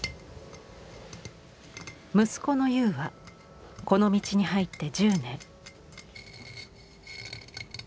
息子の悠はこの道に入って１０年。